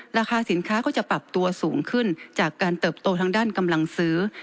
ราคาสินค้าก็จะปรับตัวสูงขึ้นจากการเติบโตทางด้านกำลังซื้อ